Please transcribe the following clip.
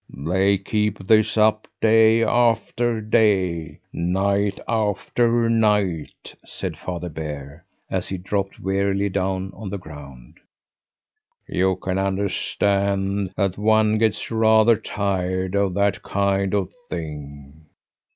"They keep this up day after day, night after night," said Father Bear, as he dropped wearily down on the ground. "You can understand that one gets rather tired of that kind of thing.